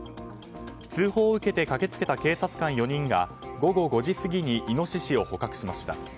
通報を受け駆けつけた警察官４人が午後５時過ぎにイノシシを捕獲しました。